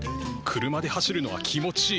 車で走るのは気持ちいい。